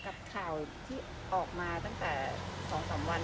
กับข่าวที่ออกมาตั้งแต่๒๓วันในช่วงตอนการผ่าน